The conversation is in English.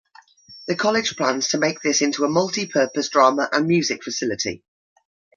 The college plans to make this into a multi purpose drama and music facility.